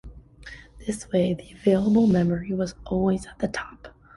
This way the available memory was always at the "top".